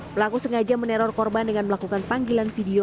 pelaku sengaja meneror korban dengan melakukan panggilan video